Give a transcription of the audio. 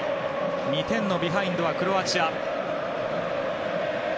２点のビハインドはクロアチア。